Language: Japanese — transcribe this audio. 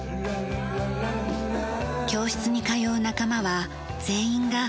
教室に通う仲間は全員が６０歳以上。